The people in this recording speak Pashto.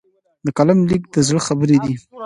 د قلم لیک د زړه خبرې دي.